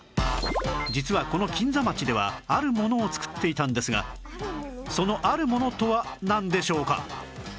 実はこの金座町ではあるものを作っていたんですがそのあるものとはなんでしょうか？